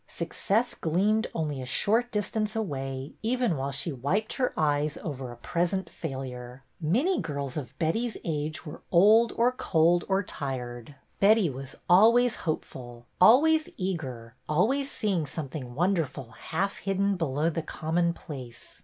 Success gleamed only a short distance away even while she wiped her eyes over a present failure. Many girls of Betty's age were old or cold or 132 BETTY BAIRD'S VENTURES tired; Betty was always hopeful, always eager, always seeing something wonderful half hidden below the commonplace.